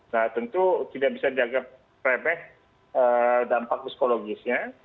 nah tentu tidak bisa dianggap remeh dampak psikologisnya